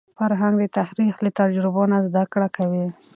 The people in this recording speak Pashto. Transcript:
فرهنګ د تاریخ له تجربو نه زده کړه کوي.